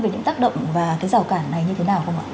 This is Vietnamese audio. về những tác động và cái rào cản này như thế nào không ạ